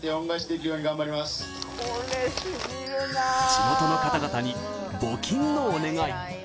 地元の方々に募金のお願い。